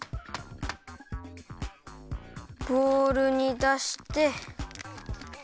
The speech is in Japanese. ボウルにだして。